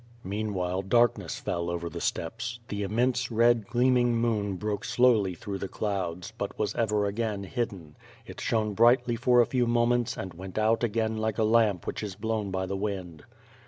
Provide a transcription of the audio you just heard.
Meanwhile, darkness fell over the steppes; the immense, red, gleaming moon broke slowly through the clouds, but w^as ever again hidden; it shone brightly for a few moments and went out again like a lamp which is blown by the wind.